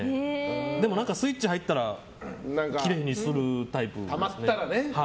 でもスイッチ入ったらきれいにするタイプですね。